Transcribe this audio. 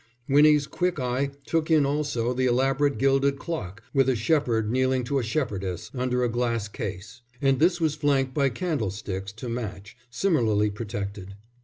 Winnie's quick eye took in also the elaborate gilded clock with a shepherd kneeling to a shepherdess, under a glass case; and this was flanked by candlesticks to match similarly protected.